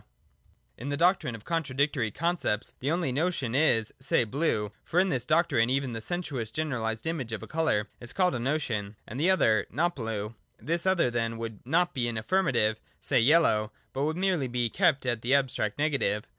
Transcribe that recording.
221 In the doctrine of contradictory concepts, the one notion is, say, blue (for in this doctrine even the sensuous generaHsed image of a colour is called a notion) and the other not blue. This other then would not be an affirmative, say, yellow, but would merely be kept at the abstract negative.